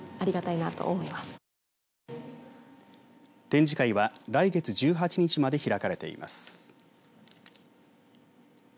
展示会は来月１８日まで開かれています。